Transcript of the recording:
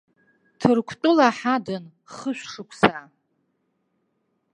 Ҭырқәтәыла ҳадын хышә шықәса.